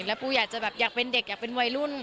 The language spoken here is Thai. แล้วปูอยากจะแบบอยากเป็นเด็กอยากเป็นวัยรุ่น